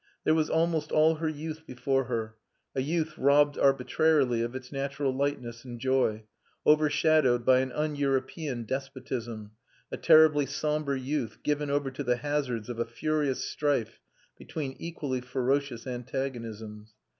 There was almost all her youth before her; a youth robbed arbitrarily of its natural lightness and joy, overshadowed by an un European despotism; a terribly sombre youth given over to the hazards of a furious strife between equally ferocious antagonisms.